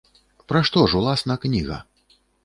Пра што ж уласна кніга?